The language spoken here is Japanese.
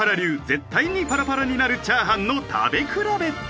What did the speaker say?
絶対にパラパラになるチャーハンの食べ比べ